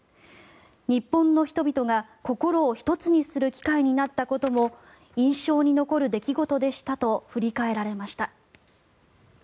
日本の人々が心を一つにする機会になったことも印象に残る出来事でしたと振り返られました。